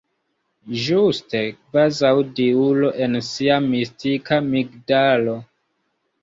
Ĝuste: kvazaŭ diulo en sia mistika migdalo.